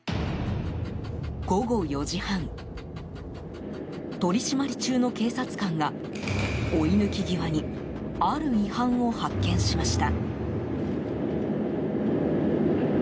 午後４時半取り締まり中の警察官が追い抜き際にある違反を発見しました。